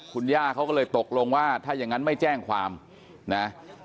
คุณย่าเขาก็เลยตกลงว่าถ้าอย่างนั้นไม่แจ้งความนะ